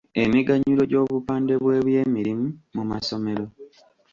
Emiganyulwo gy’obupande bwe by’ebyennimu mu masomero.